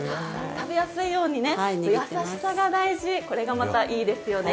食べやすいように、優しさが大事、これがまたいいですよね。